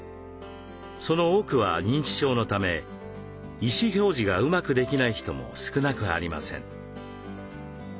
その多くは認知症のため意思表示がうまくできない人も少なくありません。